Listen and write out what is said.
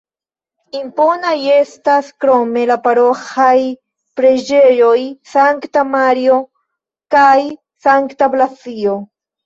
Imponaj estas krome la paroĥaj preĝejoj Sankta Mario kaj Sankta Blazio.